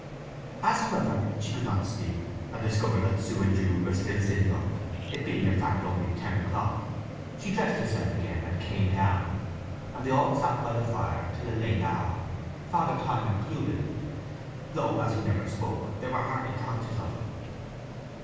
As, however, she could not sleep, and discovered that Sue and Jude were still sitting up—it being in fact only ten o'clock—she dressed herself again and came down, and they all sat by the fire till a late hour—Father Time included; though, as he never spoke, they were hardly conscious of him.